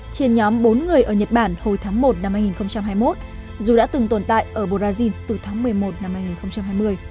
trên nhóm bốn người ở nhật bản hồi tháng một năm hai nghìn hai mươi một dù đã từng tồn tại ở brazil từ tháng một mươi một năm hai nghìn hai mươi